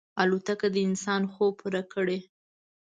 الوتکه د انسان خوب پوره کړی.